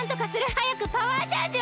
はやくパワーチャージを！